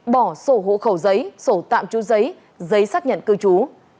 bỏ sổ hộ khẩu giấy sổ tạm chú giấy giấy xác nhận cư trú